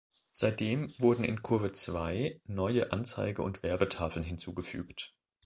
Seitdem wurden in Kurve Zwei neue Anzeige- und Werbetafeln hinzugefügt.